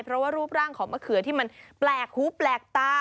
เพราะว่ารูปร่างของมะเขือที่มันแปลกหูแปลกตา